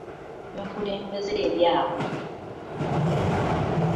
Ne bakulembeza ebyabwe.